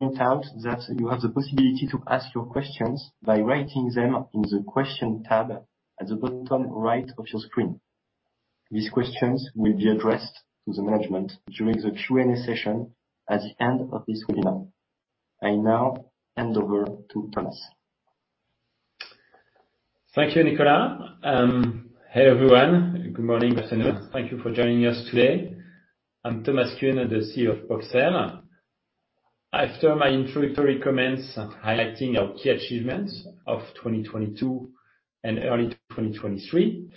Point out that you have the possibility to ask your questions by writing them in the question tab at the bottom right of your screen. These questions will be addressed to the management during the Q&A session at the end of this webinar. I now hand over to Thomas. Thank you, Nicolas. Hey, everyone. Good morning. Thank you for joining us today. I'm Thomas Kuhn, the CEO of Poxel. After my introductory comments highlighting our key achievements of 2022 and early 2023,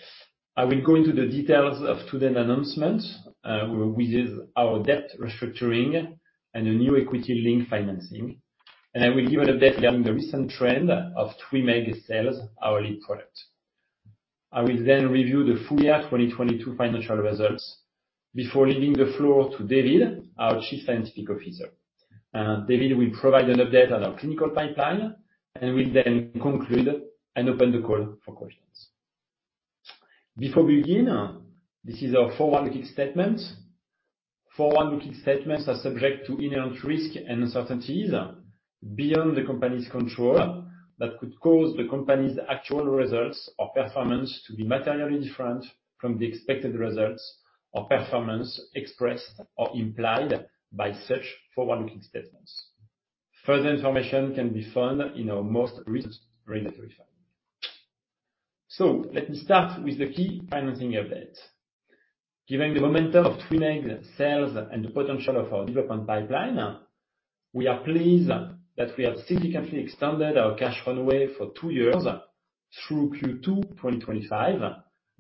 I will go into the details of today's announcement with our debt restructuring and a new equity-linked financing, and I will give an update on the recent trend of TWYMEEG sales, our lead product. I will review the full year 2022 financial results before leaving the floor to David, our Chief Scientific Officer. David will provide an update on our clinical pipeline, and will then conclude and open the call for questions. Before we begin, this is our forward-looking statement. Forward-looking statements are subject to inherent risks and uncertainties beyond the company's control that could cause the company's actual results or performance to be materially different from the expected results or performance expressed or implied by such forward-looking statements. Further information can be found in our most recent regulatory filing. Let me start with the key financing updates. Given the momentum of TWYMEEG sales and the potential of our development pipeline, we are pleased that we have significantly extended our cash runway for two years through Q2 2025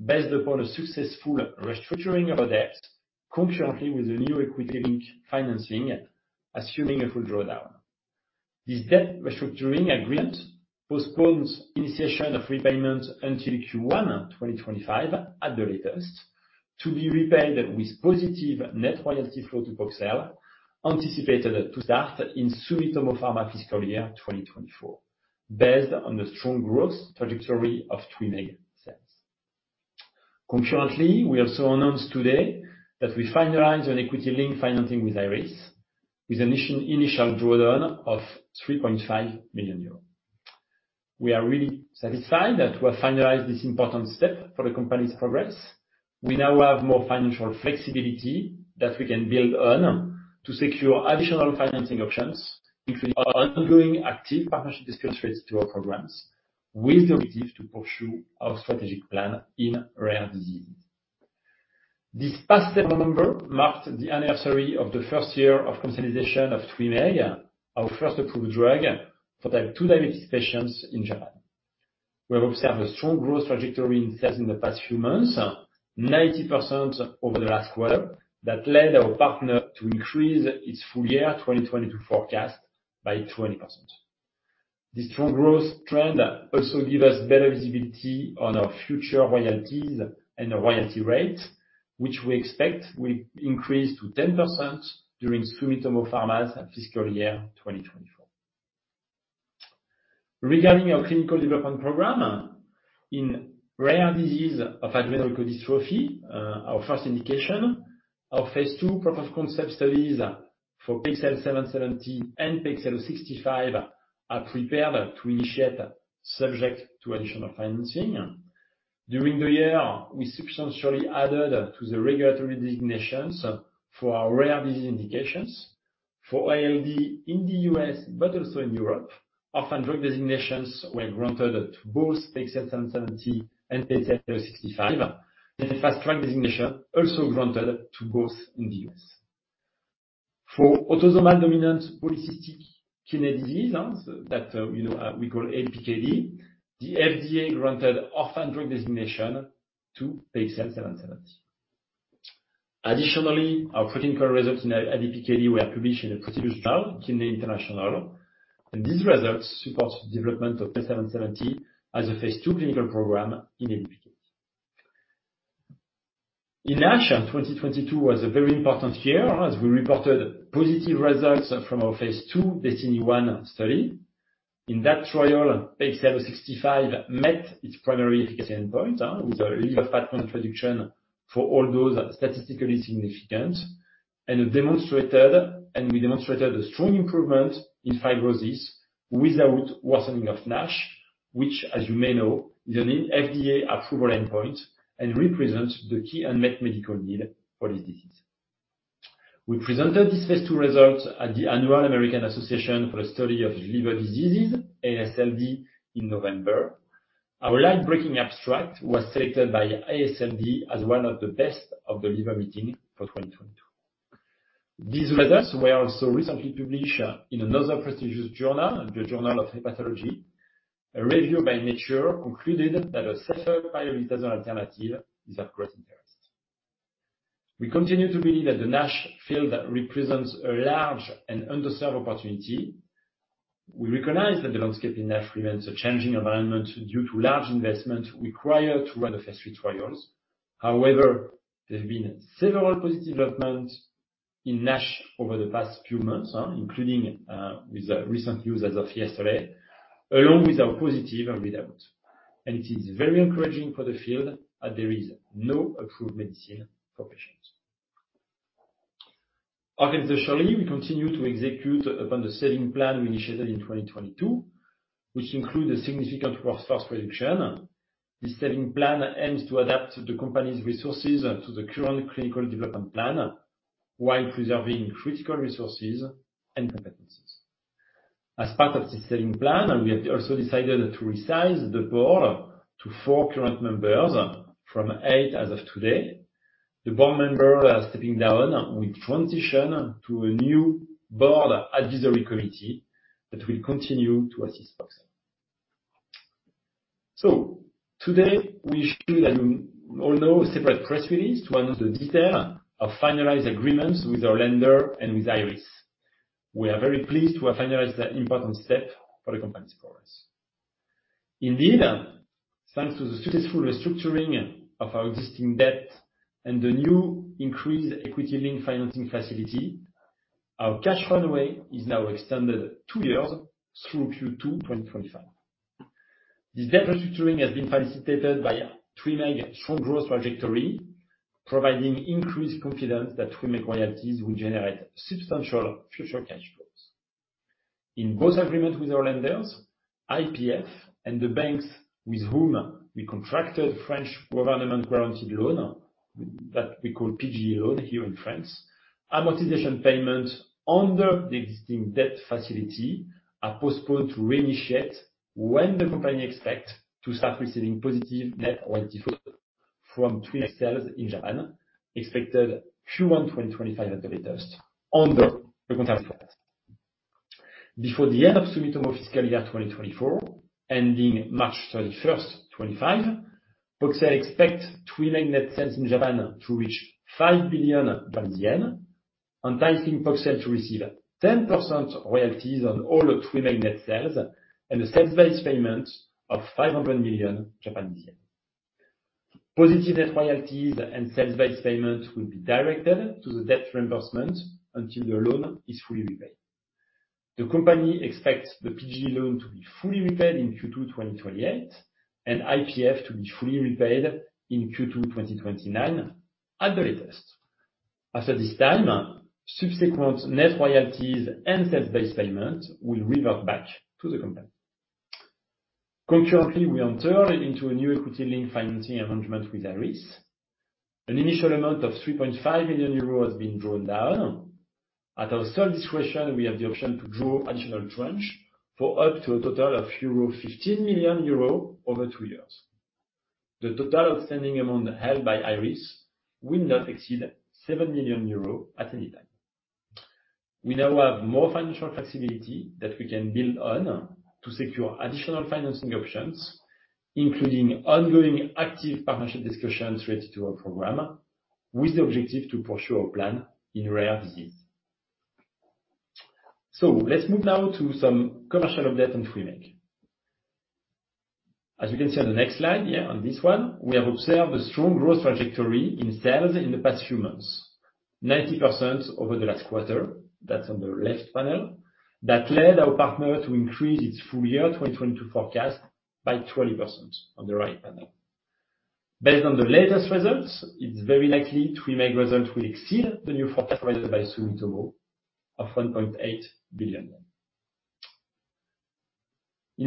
based upon a successful restructuring of our debt concurrently with the new equity-linked financing, assuming a full drawdown. This debt restructuring agreement postpones initiation of repayments until Q1 2025 at the latest, to be repaid with positive net royalty flow to Poxel, anticipated to start in Sumitomo Pharma fiscal year 2024, based on the strong growth trajectory of TWYMEEG sales. Concurrently, we also announced today that we finalized an equity-linked financing with IRIS, with initial drawdown of 3.5 million euros. We are really satisfied that we have finalized this important step for the company's progress. We now have more financial flexibility that we can build on to secure additional financing options, including our ongoing active partnership discussions to our programs, with the objective to pursue our strategic plan in rare disease. This past September marked the anniversary of the first year of consolidation of TWYMEEG, our first approved drug for type 2 diabetes patients in Japan. We have observed a strong growth trajectory in sales in the past few months, 90% over the last quarter. That led our partner to increase its full year 2022 forecast by 20%. This strong growth trend also give us better visibility on our future royalties and royalty rate, which we expect will increase to 10% during Sumitomo Pharma's fiscal year 2024. Regarding our clinical development program in rare disease of adrenoleukodystrophy, our first indication, our phase 2 proof of concept studies for PXL770 and PXL065 are prepared to initiate subject to additional financing. During the year, we substantially added to the regulatory designations for our rare disease indications. For ALD in the U.S., but also in Europe, orphan drug designations were granted to both PXL770 and PXL065. The fast track designation also granted to both in the U.S. For autosomal dominant polycystic kidney disease, that, you know, we call ADPKD, the FDA granted orphan drug designation to PXL770. Additionally, our preclinical results in ADPKD were published in a prestigious journal, Kidney International. These results support the development of PXL770 as a phase 2 clinical program in ADPKD. In NASH, 2022 was a very important year as we reported positive results from our phase 2 DESTINY-1 study. In that trial, PXL065 met its primary efficacy endpoint, with a liver fat reduction for all those statistically significant. We demonstrated a strong improvement in fibrosis without worsening of NASH, which as you may know, is an FDA approval endpoint and represents the key unmet medical need for this disease. We presented this phase 2 result at the Annual American Association for the Study of Liver Diseases, AASLD, in November. Our live breaking abstract was selected by AASLD as one of the best of the liver meeting for 2022. These results were also recently published in another prestigious journal, the Journal of Hepatology. A review by Nature concluded that a safer pioglitazone alternative is of great interest. We continue to believe that the NASH field represents a large and underserved opportunity. We recognize that the landscape in NASH remains a changing environment due to large investment required to run the phase 3 trials. However, there have been several positive developments in NASH over the past few months, including with the recent news as of yesterday, along with our positive readouts. It is very encouraging for the field that there is no approved medicine for patients. Organizationally, we continue to execute upon the saving plan we initiated in 2022, which include a significant workforce reduction. This saving plan aims to adapt the company's resources to the current clinical development plan while preserving critical resources and competencies. As part of this saving plan, we have also decided to resize the board to four current members from eight as of today. The board members are stepping down with transition to a new board advisory committee that will continue to assist Poxel. Today, we issue that you all know a separate press release to announce the detail of finalized agreements with our lender and with IRIS. We are very pleased to have finalized that important step for the company's progress. Indeed, thanks to the successful restructuring of our existing debt and the new increased equity-linked financing facility, our cash runway is now extended two years through Q2 2025. This debt restructuring has been facilitated by TWYMEEG strong growth trajectory, providing increased confidence that TWYMEEG royalties will generate substantial future cash flows. In both agreements with our lenders, IPF and the banks with whom we contracted French government guaranteed loan that we call PGE loan here in France, amortization payments under the existing debt facility are postponed to reinitiate when the company expects to start receiving positive net royalty flow from TWYMEEG sales in Japan, expected Q1 2025 at the latest under the contract. Before the end of Sumitomo fiscal year 2024, ending March 31, 2025, Poxel expects TWYMEEG net sales in Japan to reach JPY 5 billion, enticing Poxel to receive 10% royalties on all TWYMEEG net sales and a sales-based payment of 500 million Japanese yen. Positive net royalties and sales-based payments will be directed to the debt reimbursement until the loan is fully repaid. The company expects the PGE loan to be fully repaid in Q2 2028 and IPF to be fully repaid in Q2 2029 at the latest. After this time, subsequent net royalties and sales-based payments will revert back to the company. Concurrently, we enter into a new equity link financing arrangement with IRIS. An initial amount of 3.5 million euros has been drawn down. At our sole discretion, we have the option to draw additional tranche for up to a total of 15 million euro over two years. The total outstanding amount held by IRIS will not exceed 7 million euros at any time. We now have more financial flexibility that we can build on to secure additional financing options, including ongoing active partnership discussions related to our program with the objective to pursue our plan in rare disease. Let's move now to some commercial update on TWYMEEG. As you can see on the next slide, yeah, on this one, we have observed a strong growth trajectory in sales in the past few months, 90% over the last quarter. That's on the left panel. That led our partner to increase its full year 2022 forecast by 20% on the right panel. Based on the latest results, it's very likely TWYMEEG results will exceed the new forecast raised by Sumitomo of JPY 1.8 billion. In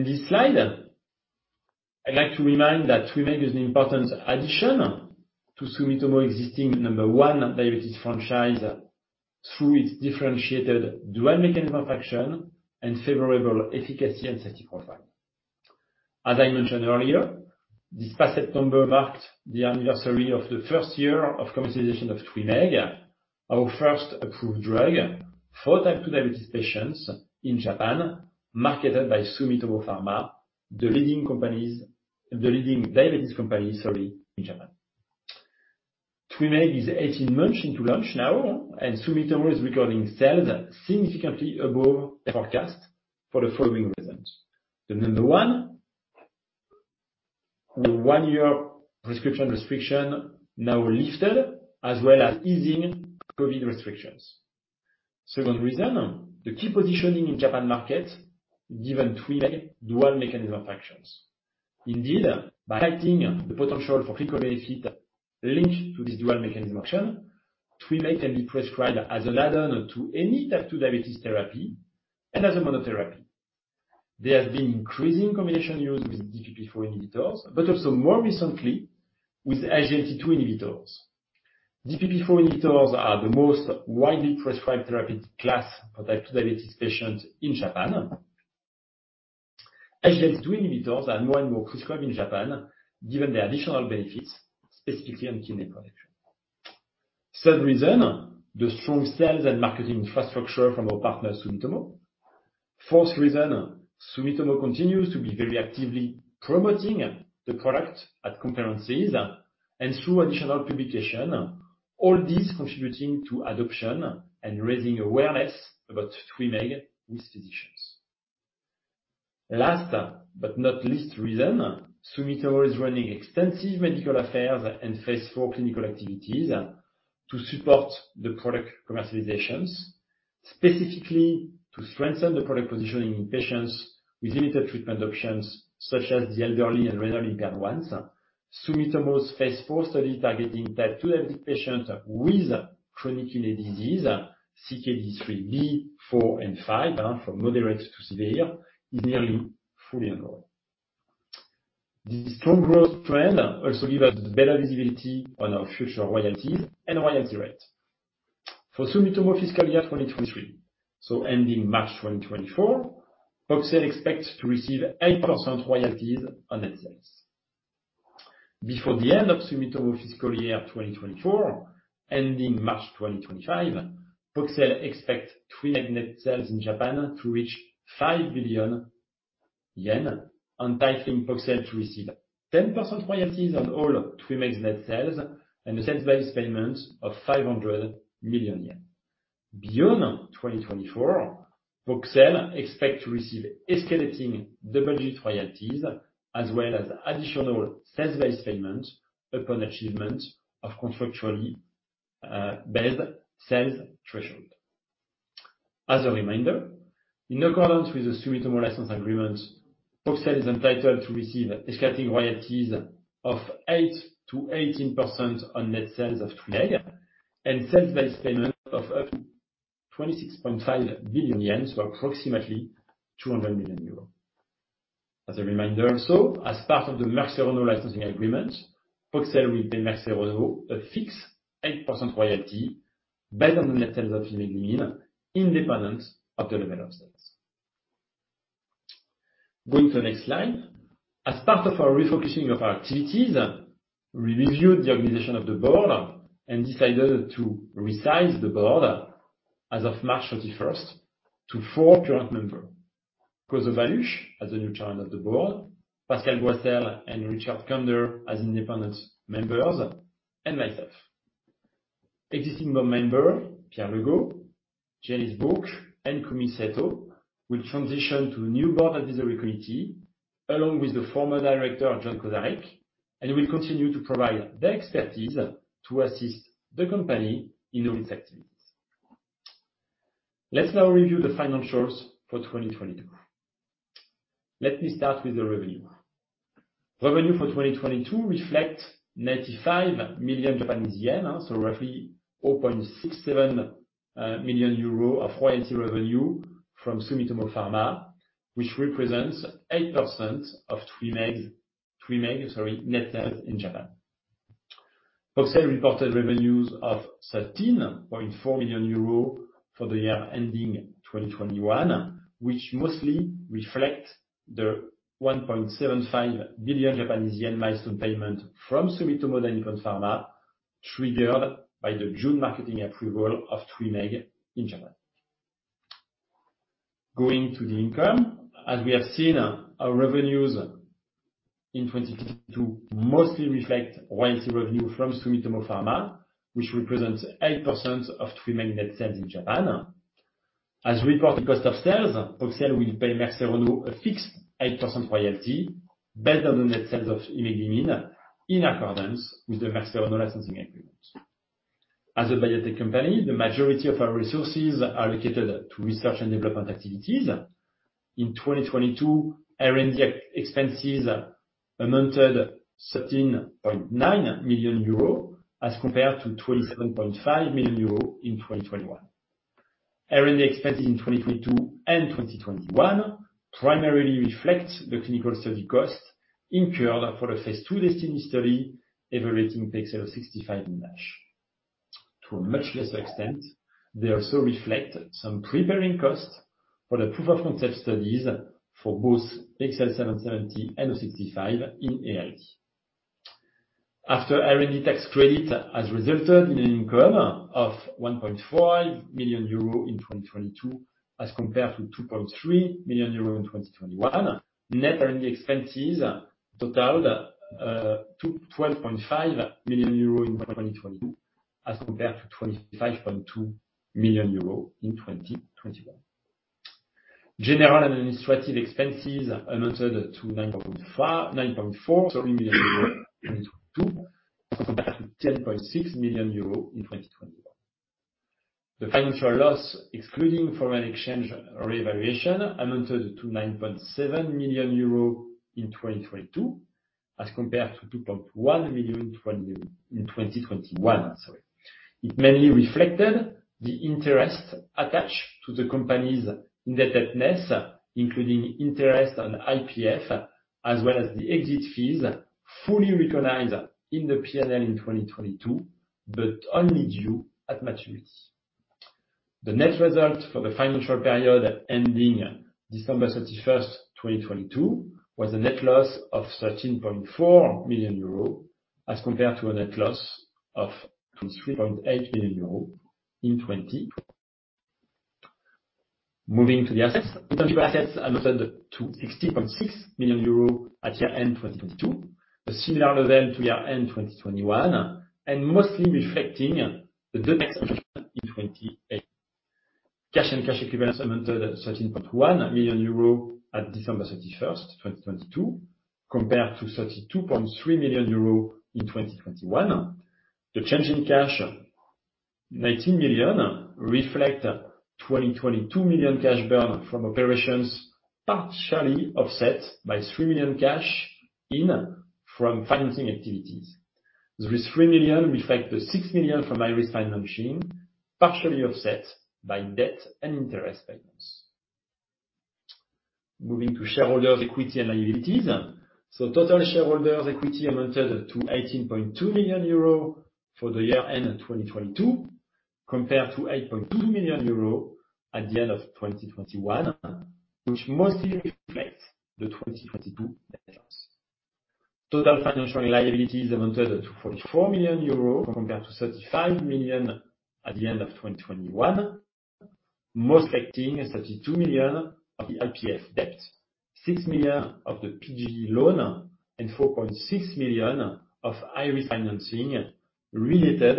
this slide, I'd like to remind that TWYMEEG is an important addition to Sumitomo existing number one diabetes franchise through its differentiated dual mechanism of action and favorable efficacy and safety profile. As I mentioned earlier, this past September marked the anniversary of the first year of commercialization of TWYMEEG, our first approved drug for type 2 diabetes patients in Japan, marketed by Sumitomo Pharma, the leading diabetes company, sorry, in Japan. TWYMEEG is 18 months into launch now, and Sumitomo is recording sales significantly above their forecast for the following reasons. The number one, the one-year prescription restriction now lifted as well as easing COVID restrictions. Second reason, the key positioning in Japan market given TWYMEEG dual mechanism of actions. Indeed, by highlighting the potential for co-benefit linked to this dual mechanism action, TWYMEEG can be prescribed as add-on to any type 2 diabetes therapy and as a monotherapy. There has been increasing combination used with DPP-4 inhibitors, but also more recently with SGLT-2 inhibitors. DPP-4 inhibitors are the most widely prescribed therapeutic class for type 2 diabetes patients in Japan. SGLT-2 inhibitors are more and more prescribed in Japan given the additional benefits, specifically on kidney protection. Third reason, the strong sales and marketing infrastructure from our partner, Sumitomo. Fourth reason, Sumitomo continues to be very actively promoting the product at conferences and through additional publication. All this contributing to adoption and raising awareness about TWYMEEG with physicians. Last but not least reason, Sumitomo is running extensive medical affairs and phase 4 clinical activities to support the product commercializations. Specifically to strengthen the product positioning in patients with limited treatment options, such as the elderly and renally impaired ones. Sumitomo's phase 4 study targeting type 2 diabetic patients with chronic kidney disease, CKD 3B, 4, and 5, from moderate to severe, is nearly fully enrolled. The strong growth trend also give us better visibility on our future royalties and royalty rate. For Sumitomo fiscal year 2023, so ending March 2024, Poxel expects to receive 8% royalties on net sales. Before the end of Sumitomo fiscal year 2024, ending March 2025, Poxel expects TWYMEEG net sales in Japan to reach 5 billion yen, entitling Poxel to receive 10% royalties on all TWYMEEG's net sales and a sales-based payment of 500 million yen. Beyond 2024, Poxel expects to receive escalating double-digit royalties as well as additional sales-based payments upon achievement of contractually based sales threshold. As a reminder, in accordance with the Sumitomo license agreement, Poxel is entitled to receive escalating royalties of 8%-18% on net sales of TWYMEEG and sales-based payment of up to 26.5 billion yen, or approximately 200 million euros. As a reminder also, as part of the Merck Serono licensing agreement, Poxel will pay Merck Serono a fixed 8% royalty based on the net sales of imeglimin, independent of the level of sales. Going to the next slide. As part of our refocusing of our activities, we reviewed the organization of the board and decided to resize the board as of March 31st to four current member. Khoso Baluch as the new Chairman of the Board, Pascale Boissel, and Richard Kender as independent members, and myself. Existing board member, Pierre Legault, Janice Bourque, and Kumi Sato will transition to new board advisory committee, along with the former director, John Kozarich, and will continue to provide their expertise to assist the company in all its activities. Let's now review the financials for 2022. Let me start with the revenue. Revenue for 2022 reflects 95 million Japanese yen, so roughly 0.67 million euro of royalty revenue from Sumitomo Pharma, which represents 8% of TWYMEEG, sorry, net sales in Japan. Poxel reported revenues of 13.4 million euros for the year ending 2021, which mostly reflects the 1.75 billion Japanese yen milestone payment from Sumitomo Dainippon Pharma, triggered by the June marketing approval of TWYMEEG in Japan. Going to the income. As we have seen, our revenues in 2022 mostly reflect royalty revenue from Sumitomo Pharma, which represents 8% of TWYMEEG net sales in Japan. As we record the cost of sales, Poxel will pay Merck Serono a fixed 8% royalty based on the net sales of imeglimin in accordance with the Merck Serono licensing agreement. As a biotech company, the majority of our resources are allocated to research and development activities. In 2022, R&D ex-expenses amounted 13.9 million euro as compared to 27.5 million euro in 2021. R&D expenses in 2022 and 2021 primarily reflect the clinical study costs incurred for the phase 2 DESTINY study evaluating PXL065 in NASH. To a much lesser extent, they also reflect some preparing costs for the proof of concept studies for both PXL770 and PXL065 in ALD. After R&D tax credit has resulted in an income of 1.5 million euro in 2022, as compared to 2.3 million euro in 2021. Net R&D expenses totaled 12.5 million euro in 2022, as compared to 25.2 million euro in 2021. General administrative expenses amounted to 9.4 million euros, sorry, in 2022, as compared to 10.6 million euros in 2021. The financial loss, excluding foreign exchange revaluation, amounted to 9.7 million euros in 2022, as compared to 2.1 million in 2021, sorry. It mainly reflected the interest attached to the company's indebtedness, including interest on IPF, as well as the exit fees fully recognized in the P&L in 2022, but only due at maturity. The net result for the financial period ending December 31st, 2022, was a net loss of 13.4 million euro, as compared to a net loss of 23.8 million euro in twenty. Moving to the assets. Total assets amounted to 60.6 million euros at year-end 2022. A similar event to year-end 2021, mostly reflecting the debt obligation in 2028. Cash and cash equivalents amounted 13.1 million euros at December 31st, 2022, compared to 32.3 million euros in 2021. The change in cash, 19 million, reflect 2,022 million cash burn from operations partially offset by 3 million cash in from financing activities. This 3 million reflect the 6 million from IRIS financing, partially offset by debt and interest payments. Moving to shareholders equity and liabilities. Total shareholders equity amounted to 18.2 million euros for the year end of 2022, compared to 8.2 million euros at the end of 2021, which mostly reflects the 2022 difference. Total financial liabilities amounted to 44 million euros compared to 35 million at the end of 2021. Most affecting 32 million of the IPF's debt, 6 million of the PGE loan, and 4.6 million of IRIS financing related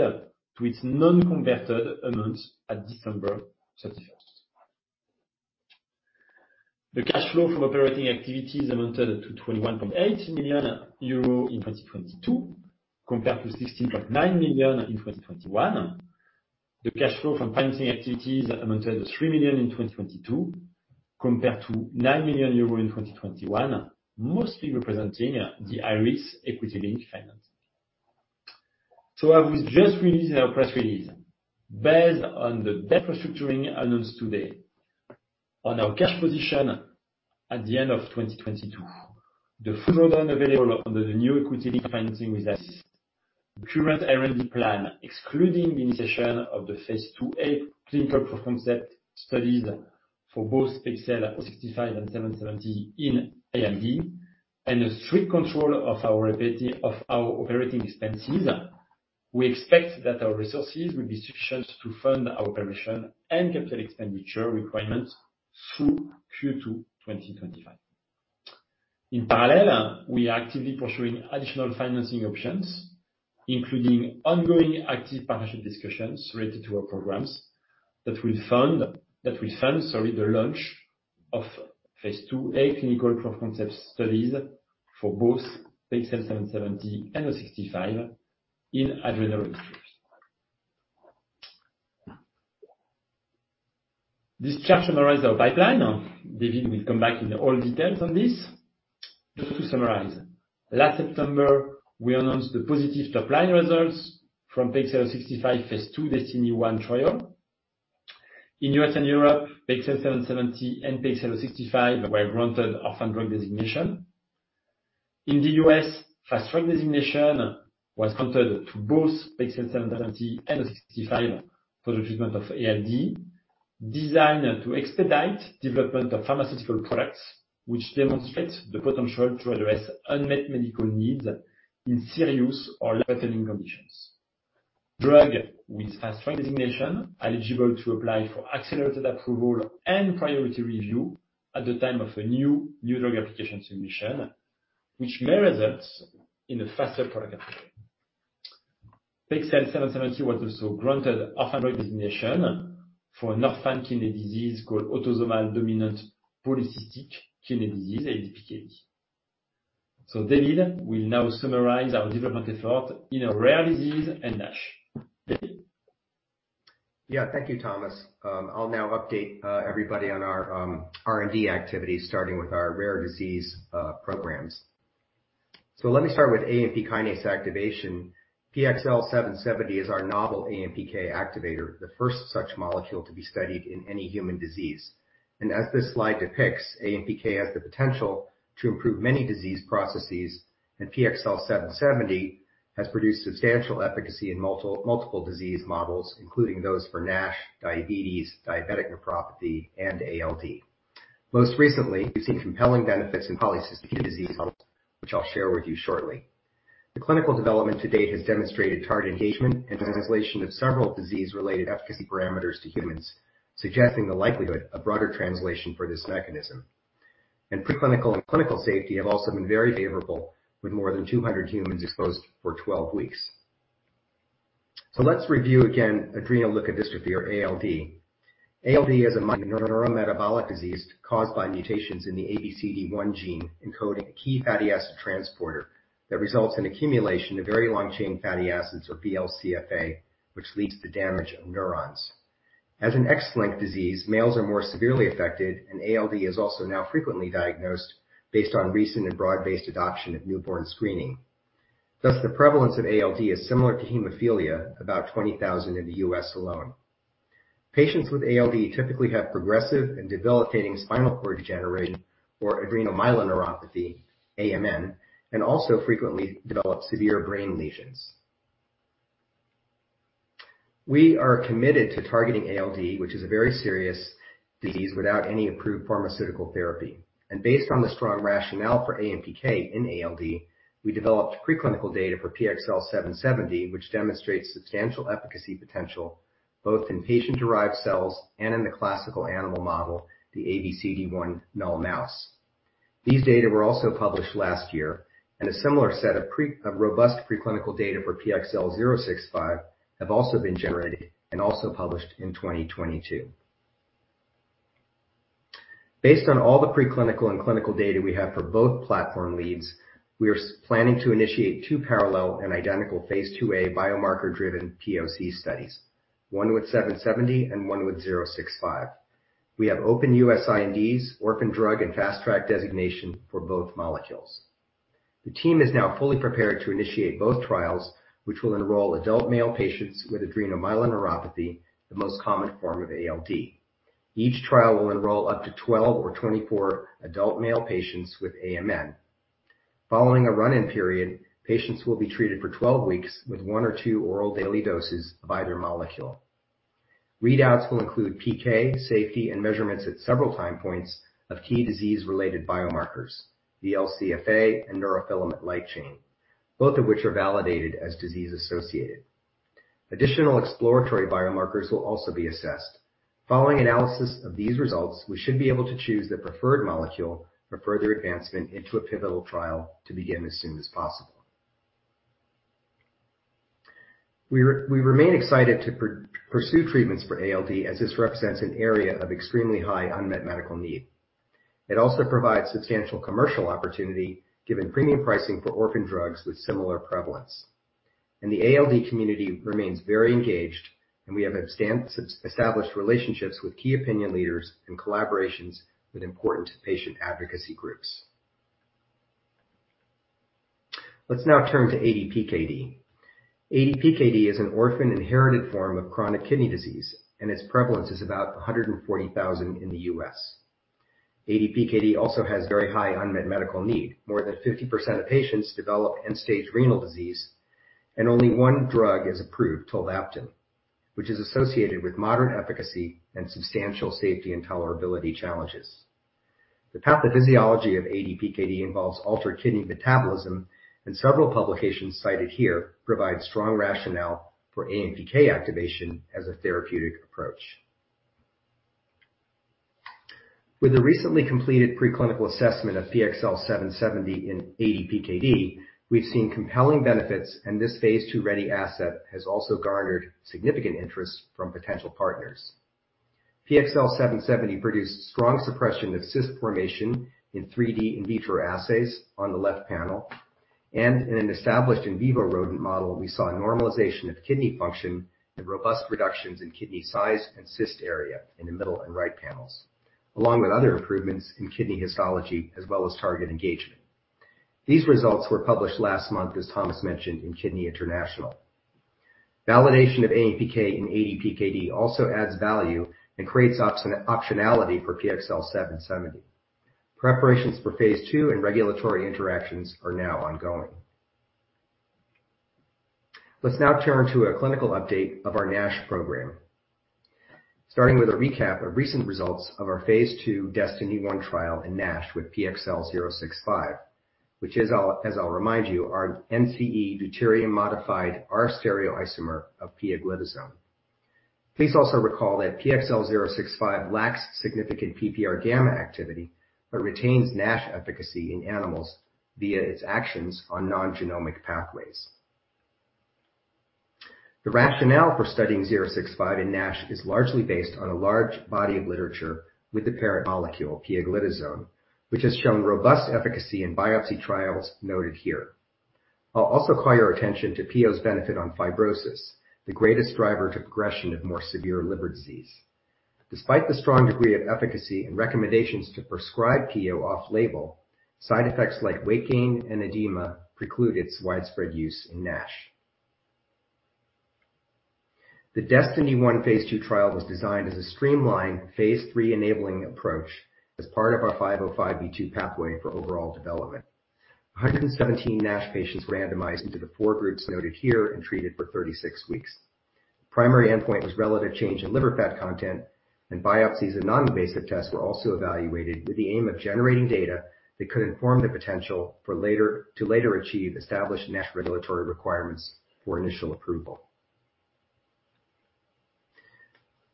to its non-converted amounts at December 31st. The cash flow from operating activities amounted to 21.8 million euro in 2022 compared to 16.9 million in 2021. The cash flow from financing activities amounted to 3 million in 2022 compared to 9 million euro in 2021, mostly representing the IRIS equity-linked financing. As we just released in our press release, based on the debt restructuring announced today, on our cash position at the end of 2022, the full amount available under the new equity financing with IRIS, the current R&D plan, excluding the initiation of the phase 2A clinical proof concept studies for both PXL065 and 770 in ALD, and a strict control of our operating expenses, we expect that our resources will be sufficient to fund our operation and capital expenditure requirements through Q2 2025. In parallel, we are actively pursuing additional financing options, including ongoing active partnership discussions related to our programs that will fund, sorry, the launch of phase 2A clinical proof concept studies for both PXL770 and 065 in adrenol. This chart summarize our pipeline. David will come back in all details on this. Just to summarize, last September, we announced the positive top line results from PXL065 phase 2 DESTINY-1 trial. In U.S. and Europe, PXL770 and PXL065 were granted orphan drug designation. In the U.S., fast track designation was granted to both PXL770 and 065 for the treatment of ALD, designed to expedite development of pharmaceutical products, which demonstrate the potential to address unmet medical needs in serious or life-threatening conditions. Drug with fast track designation are eligible to apply for accelerated approval and priority review at the time of a new drug application submission, which may result in a faster product approval. PXL770 was also granted orphan drug designation for an orphan kidney disease called autosomal dominant polycystic kidney disease, ADPKD. David will now summarize our development effort in a rare disease and NASH. David? Thank you, Thomas. I'll now update everybody on our R&D activities, starting with our rare disease programs. Let me start with AMP kinase activation. PXL770 is our novel AMPK activator, the first such molecule to be studied in any human disease. As this slide depicts, AMPK has the potential to improve many disease processes, and PXL770 has produced substantial efficacy in multiple disease models, including those for NASH, diabetes, diabetic nephropathy, and ALD. Most recently, we've seen compelling benefits in polycystic kidney disease models, which I'll share with you shortly. The clinical development to date has demonstrated target engagement and translation of several disease-related efficacy parameters to humans, suggesting the likelihood of broader translation for this mechanism. Preclinical and clinical safety have also been very favorable, with more than 200 humans exposed for 12 weeks. Let's review again adrenoleukodystrophy or ALD. ALD is a neurometabolic disease caused by mutations in the ABCD1 gene encoding a key fatty acid transporter that results in accumulation of very long-chain fatty acids, or VLCFA, which leads to damage of neurons. As an X-linked disease, males are more severely affected. ALD is also now frequently diagnosed based on recent and broad-based adoption of newborn screening. The prevalence of ALD is similar to hemophilia, about 20,000 in the U.S. alone. Patients with ALD typically have progressive and debilitating spinal cord degeneration or adrenomyeloneuropathy, AMN, and also frequently develop severe brain lesions. We are committed to targeting ALD, which is a very serious disease without any approved pharmaceutical therapy. Based on the strong rationale for AMPK in ALD, we developed preclinical data for PXL770, which demonstrates substantial efficacy potential both in patient-derived cells and in the classical animal model, the Abcd1-null mouse. These data were also published last year, and a similar set of robust preclinical data for PXL065 have also been generated and also published in 2022. Based on all the preclinical and clinical data we have for both platform leads, we are planning to initiate two parallel and identical phase 2A biomarker driven POC studies. One with 770 and one with 065. We have open U.S. INDs, orphan drug and fast track designation for both molecules. The team is now fully prepared to initiate both trials, which will enroll adult male patients with adrenomyeloneuropathy, the most common form of ALD. Each trial will enroll up to 12 or 24 adult male patients with AMN. Following a run-in period, patients will be treated for 12 weeks with one or two oral daily doses of either molecule. Readouts will include PK, safety and measurements at several time points of key disease-related biomarkers, the LCFA and neurofilament light chain, both of which are validated as disease-associated. Additional exploratory biomarkers will also be assessed. Following analysis of these results, we should be able to choose the preferred molecule for further advancement into a pivotal trial to begin as soon as possible. We remain excited to pursue treatments for ALD as this represents an area of extremely high unmet medical need. It also provides substantial commercial opportunity given premium pricing for orphan drugs with similar prevalence. The ALD community remains very engaged, and we have established relationships with key opinion leaders and collaborations with important patient advocacy groups. Let's now turn to ADPKD. ADPKD is an orphan inherited form of chronic kidney disease, and its prevalence is about 140,000 in the U.S. ADPKD also has very high unmet medical need. More than 50% of patients develop end-stage renal disease, and only one drug is approved, tolvaptan, which is associated with modest efficacy and substantial safety and tolerability challenges. The pathophysiology of ADPKD involves altered kidney metabolism, and several publications cited here provide strong rationale for AMPK activation as a therapeutic approach. With the recently completed preclinical assessment of PXL770 in ADPKD, we've seen compelling benefits, and this phase 2 ready asset has also garnered significant interest from potential partners. PXL770 produced strong suppression of cyst formation in 3D in vitro assays on the left panel, and in an established in vivo rodent model, we saw normalization of kidney function and robust reductions in kidney size and cyst area in the middle and right panels, along with other improvements in kidney histology, as well as target engagement. These results were published last month, as Thomas mentioned in Kidney International. Validation of AMPK in ADPKD also adds value and creates optionality for PXL770. Preparations for phase 2 and regulatory interactions are now ongoing. Let's now turn to a clinical update of our NASH program. Starting with a recap of recent results of our phase 2 DESTINY-1 trial in NASH with PXL065, which is as I'll remind you, our NCE deuterium-stabilized R-stereoisomer of pioglitazone. Please also recall that PXL065 lacks significant PPARγ activity, but retains NASH efficacy in animals via its actions on non-genomic pathways. The rationale for studying 065 in NASH is largely based on a large body of literature with the parent molecule, pioglitazone, which has shown robust efficacy in biopsy trials noted here. I'll also call your attention to Pio's benefit on fibrosis, the greatest driver to progression of more severe liver disease. Despite the strong degree of efficacy and recommendations to prescribe Pio off-label, side effects like weight gain and edema preclude its widespread use in NASH. The DESTINY-1 phase 2 trial was designed as a streamlined phase 3 enabling approach as part of our 505(b)(2) pathway for overall development. 117 NASH patients randomized into the four groups noted here and treated for 36 weeks. The primary endpoint was relative change in liver fat content, and biopsies and non-invasive tests were also evaluated with the aim of generating data that could inform the potential to later achieve established NASH regulatory requirements for initial approval.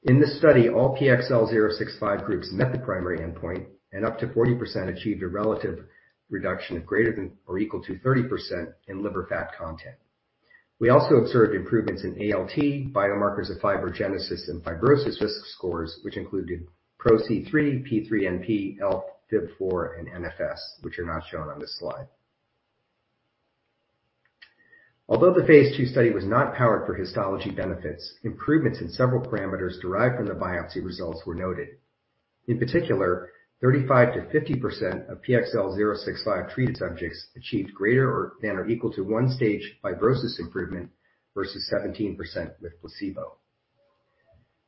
In this study, all PXL065 groups met the primary endpoint, and up to 40% achieved a relative reduction of greater than or equal to 30% in liver fat content. We also observed improvements in ALT, biomarkers of fibrogenesis and fibrosis risk scores, which included PRO-C3, PIIINP, ELF, FIB-4, and NFS, which are not shown on this slide. Although the phase 2 study was not powered for histology benefits, improvements in several parameters derived from the biopsy results were noted. In particular, 35%-50% of PXL065 treated subjects achieved greater than or equal to one stage fibrosis improvement versus 17% with placebo.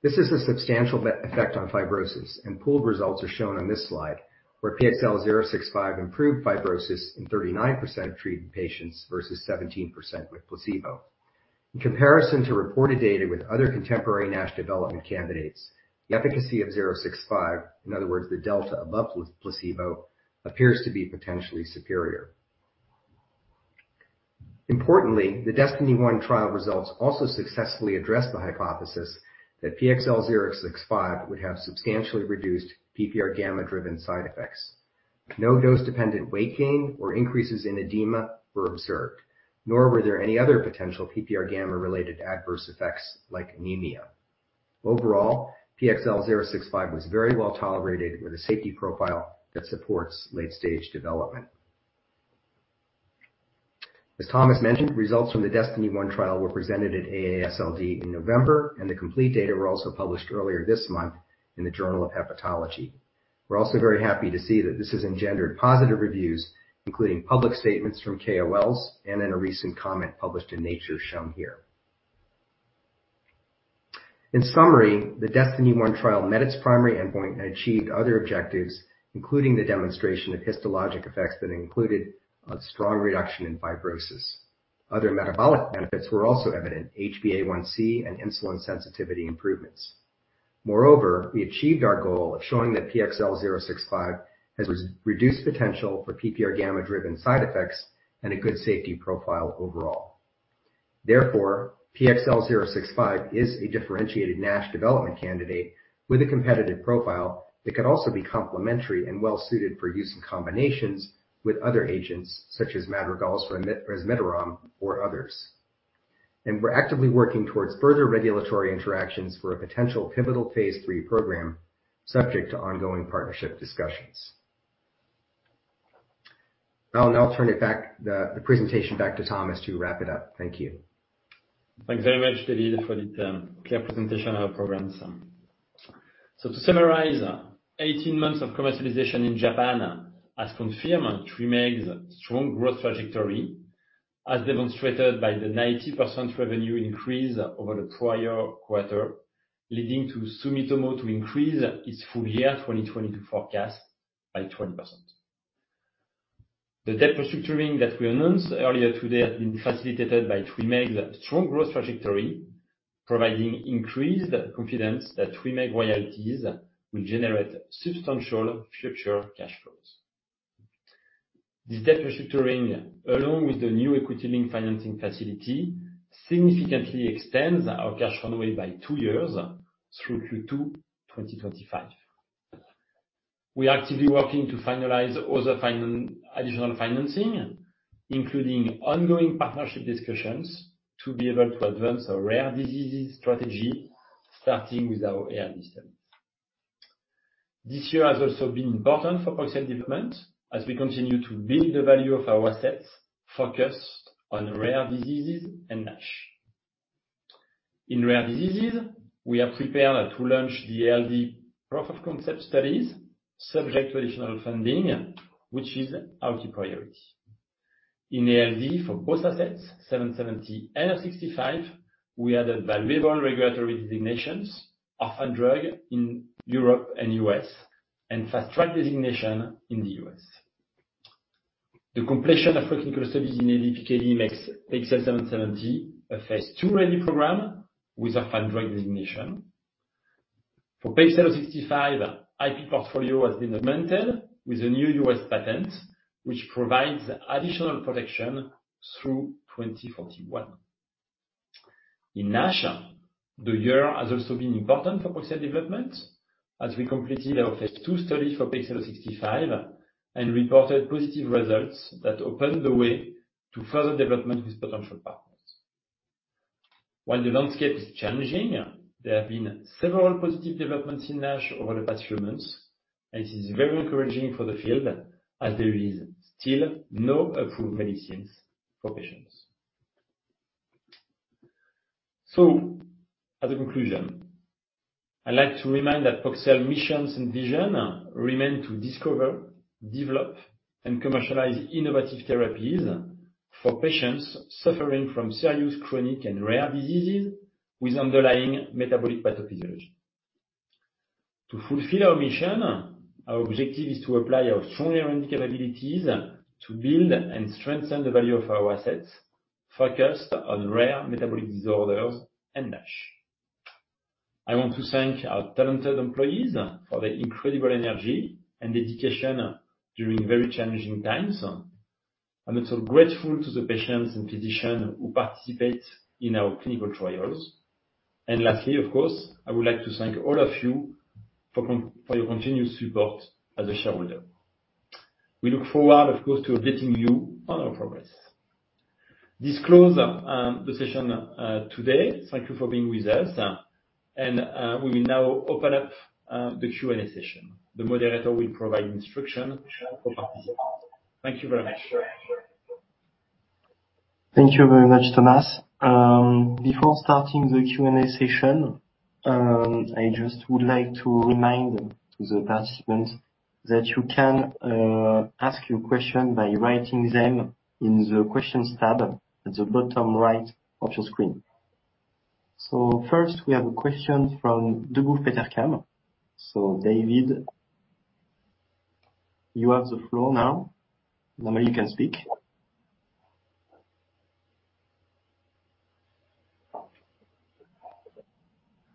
This is a substantial effect on fibrosis. Pooled results are shown on this slide, where PXL065 improved fibrosis in 39% of treated patients versus 17% with placebo. In comparison to reported data with other contemporary NASH development candidates, the efficacy of PXL065, in other words, the delta above placebo, appears to be potentially superior. Importantly, the DESTINY-1 trial results also successfully address the hypothesis that PXL065 would have substantially reduced PPARγ-driven side effects. No dose dependent weight gain or increases in edema were observed, nor were there any other potential PPARγ-related adverse effects like anemia. Overall, PXL065 was very well tolerated with a safety profile that supports late-stage development. As Thomas mentioned, results from the DESTINY-1 trial were presented at AASLD in November, and the complete data were also published earlier this month in the Journal of Hepatology. We're also very happy to see that this has engendered positive reviews, including public statements from KOLs and in a recent comment published in Nature shown here. In summary, the DESTINY-1 trial met its primary endpoint and achieved other objectives, including the demonstration of histologic effects that included a strong reduction in fibrosis. Other metabolic benefits were also evident, HbA1c and insulin sensitivity improvements. Moreover, we achieved our goal of showing that PXL065 has reduced potential for PPARγ-driven side effects and a good safety profile overall. Therefore, PXL065 is a differentiated NASH development candidate with a competitive profile that could also be complementary and well suited for use in combinations with other agents such as Madrigal's Resmetirom or others. We're actively working towards further regulatory interactions for a potential pivotal phase 3 program, subject to ongoing partnership discussions. I'll now turn it back the presentation back to Thomas to wrap it up. Thank you. Thanks very much, David, for the clear presentation of our programs. To summarize, 18 months of commercialization in Japan has confirmed TWYMEEG's strong growth trajectory, as demonstrated by the 90% revenue increase over the prior quarter, leading to Sumitomo to increase its full year 2022 forecast by 20%. The debt restructuring that we announced earlier today has been facilitated by TWYMEEG's strong growth trajectory, providing increased confidence that TWYMEEG royalties will generate substantial future cash flows. This debt restructuring, along with the new equity-linked financing facility, significantly extends our cash runway by two years through Q2 2025. We are actively working to finalize other additional financing, including ongoing partnership discussions, to be able to advance our rare disease strategy, starting with our ALD system. This year has also been important for product development as we continue to build the value of our assets focused on rare diseases and NASH. In rare diseases, we are prepared to launch the ALD proof of concept studies subject to additional funding, which is our priority. In ALD, for both assets, 770 and 65, we added valuable regulatory designations, orphan drug in Europe and U.S., and Fast Track designation in the U.S. The completion of clinical studies in ALD PK/PD makes PXL770 a phase 2-ready program with orphan drug designation. For PXL065, IP portfolio has been augmented with a new U.S. patent, which provides additional protection through 2041. In NASH, the year has also been important for product development as we completed our phase 2 study for PXL065 and reported positive results that open the way to further development with potential partners. While the landscape is challenging, there have been several positive developments in NASH over the past few months. It is very encouraging for the field as there is still no approved medicines for patients. As a conclusion, I'd like to remind that Poxel missions and vision remain to discover, develop, and commercialize innovative therapies for patients suffering from serious chronic and rare diseases with underlying metabolic pathophysiology. To fulfill our mission, our objective is to apply our strong R&D capabilities to build and strengthen the value of our assets focused on rare metabolic disorders and NASH. I want to thank our talented employees for their incredible energy and dedication during very challenging times. I'm also grateful to the patients and physicians who participate in our clinical trials. Lastly, of course, I would like to thank all of you for your continuous support as a shareholder. We look forward, of course, to updating you on our progress. This close the session today. Thank you for being with us. We will now open up the Q&A session. The moderator will provide instruction for participants. Thank you very much. Thank you very much, Thomas. Before starting the Q&A session, I just would like to remind to the participants that you can ask your question by writing them in the questions tab at the bottom right of your screen. First, we have a question from Degroof Petercam. David, you have the floor now. Now you can speak.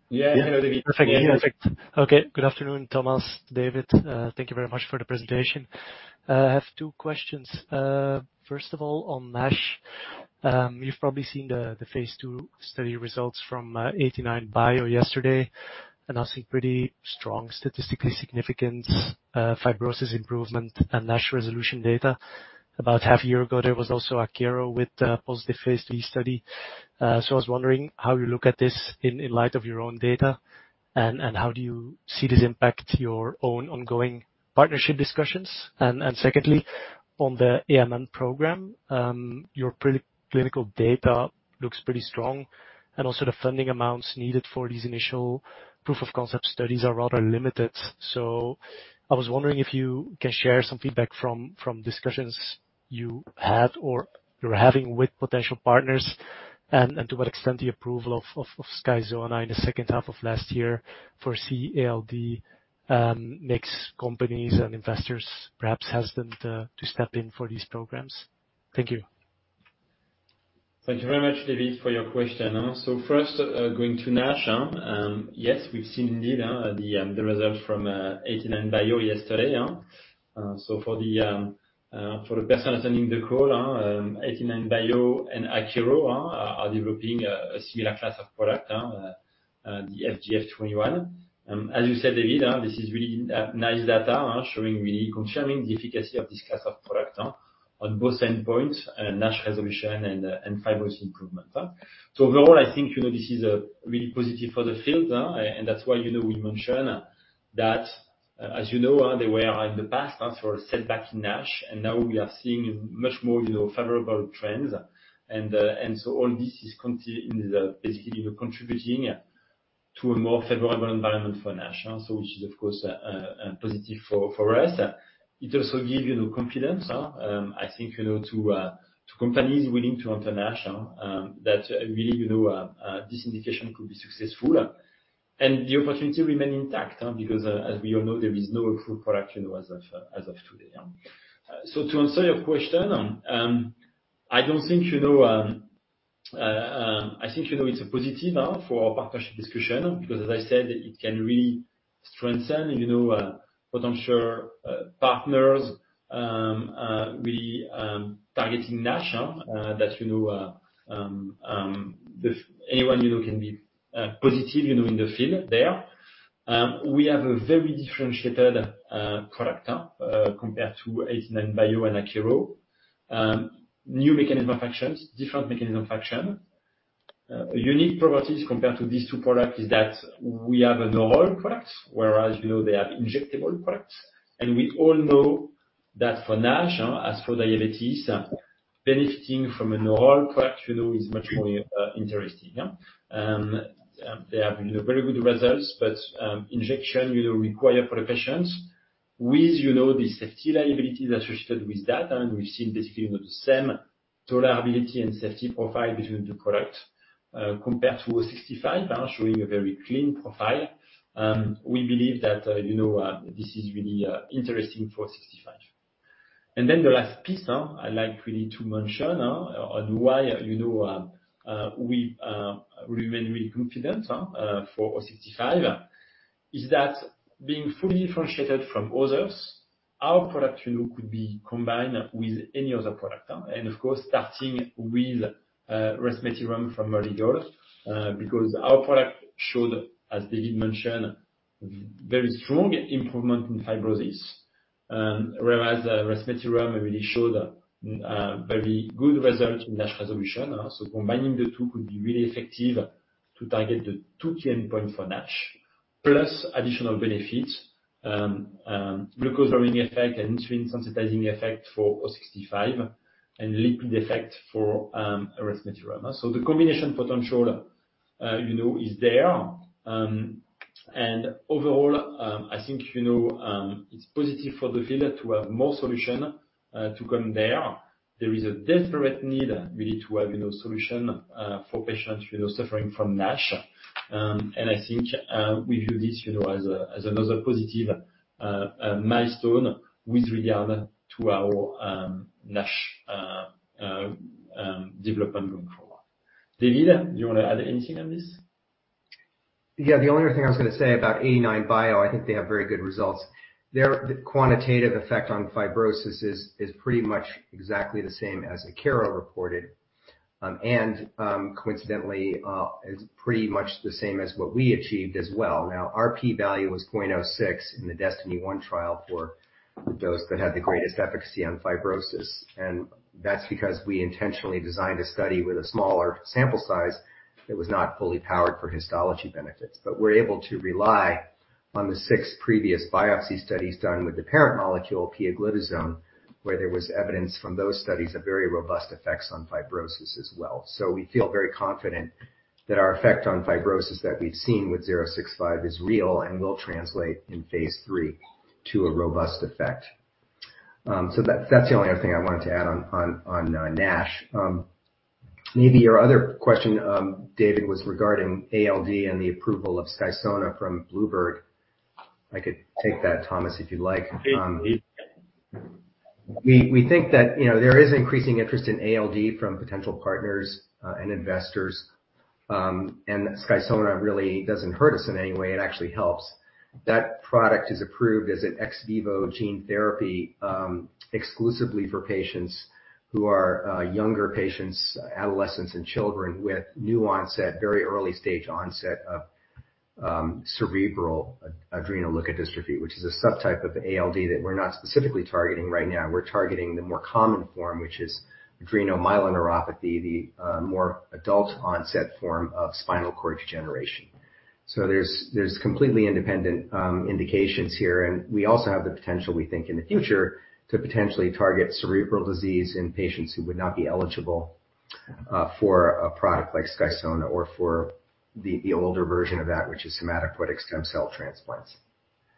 Yeah. Hello, David. Perfect. Okay. Good afternoon, Thomas, David. Thank you very much for the presentation. I have two questions. First of all, on NASH. You've probably seen the phase 2 study results from 89bio yesterday announcing pretty strong statistically significant fibrosis improvement and NASH resolution data. About half year ago, there was also Akero with a positive phase 3 study. I was wondering how you look at this in light of your own data, and how do you see this impact your own ongoing partnership discussions? Secondly, on the AMN program, your preclinical data looks pretty strong and also the funding amounts needed for these initial proof of concept studies are rather limited. I was wondering if you can share some feedback from discussions you had or you're having with potential partners, and to what extent the approval of SKYSONA in the second half of last year for CALD makes companies and investors perhaps hesitant to step in for these programs. Thank you. Thank you very much, David, for your question. First, going to NASH. Yes, we've seen indeed the results from 89bio yesterday, for the person attending the call, 89bio and Akero are developing a similar class of product, the FGF21. As you said, David, this is really nice data, showing really confirming the efficacy of this class of product, on both endpoints, NASH resolution and fibrosis improvement. Overall, I think, you know, this is really positive for the field, and that's why, you know, we mention that as you know, there were in the past sort of setback in NASH, and now we are seeing much more, you know, favorable trends. All this is contributing to a more favorable environment for NASH, so which is of course, positive for us. It also give, you know, confidence, I think, you know, to companies willing to enter NASH, that really, you know, this indication could be successful. The opportunity remain intact, because as we all know, there is no approved product, you know, as of today. To answer your question, I don't think, you know, I think, you know, it's a positive for our partnership discussion because as I said, it can really strengthen, you know, potential partners, we targeting NASH, that you know, if anyone you know can be positive, you know, in the field there. We have a very differentiated product compared to 89bio and Akero. New mechanism actions, different mechanism action. Unique properties compared to these two products is that we have an oral product, whereas, you know, they have injectable products. We all know that for NASH, as for diabetes, benefiting from an oral product, you know, is much more interesting. They have, you know, very good results, injection, you know, require for the patients with, you know, the safety liabilities associated with that. We've seen basically, you know, the same tolerability and safety profile between the two products. Compared to 65, showing a very clean profile. We believe that, you know, this is really interesting for 65. The last piece I'd like really to mention on why, you know, we remain really confident for 65, is that being fully differentiated from others, our product, you know, could be combined with any other product. Starting with Resmetirom from Madrigal, because our product showed, as David mentioned, very strong improvement in fibrosis, whereas Resmetirom really showed a very good result in NASH resolution. Combining the two could be really effective to target the two key endpoint for NASH, plus additional benefits, glucose-lowering effect and insulin sensitizing effect for six-five and liquid effect for Resmetirom. The combination potential, you know, is there. Overall, I think, you know, it's positive for the field to have more solution to come there. There is a desperate need really to have, you know, solution for patients, you know, suffering from NASH. I think, we view this, you know, as another positive milestone with regard to our NASH development program. David, do you want to add anything on this? Yeah. The only other thing I was gonna say about 89bio, I think they have very good results. Their quantitative effect on fibrosis is pretty much exactly the same as Akero reported. And coincidentally is pretty much the same as what we achieved as well. Now, our P value was 0.06 in the DESTINY-1 trial for the dose that had the greatest efficacy on fibrosis. That's because we intentionally designed a study with a smaller sample size that was not fully powered for histology benefits. We're able to rely on the six previous biopsy studies done with the parent molecule, pioglitazone, where there was evidence from those studies of very robust effects on fibrosis as well. We feel very confident that our effect on fibrosis that we've seen with PXL065 is real and will translate in phase 3 to a robust effect. That's the only other thing I wanted to add on NASH. Maybe your other question, David, was regarding ALD and the approval of SKYSONA from bluebird bio. I could take that, Thomas, if you'd like. Please do. We think that, you know, there is increasing interest in ALD from potential partners and investors. Skyzona really doesn't hurt us in any way. It actually helps. That product is approved as an ex vivo gene therapy exclusively for patients who are younger patients, adolescents and children with new onset, very early-stage onset of cerebral adrenoleukodystrophy, which is a subtype of ALD that we're not specifically targeting right now. We're targeting the more common form, which is adrenomyeloneuropathy, the more adult onset form of spinal cord degeneration. There's completely independent indications here, and we also have the potential, we think, in the future to potentially target cerebral disease in patients who would not be eligible for a product like Skyzona or for the older version of that, which is hematopoietic stem cell transplants.